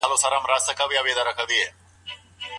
کله چي دعوت سئ نو ولي بايد ورسئ؟